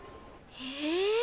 へえ。